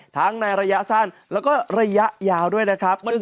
ในระยะสั้นแล้วก็ระยะยาวด้วยนะครับ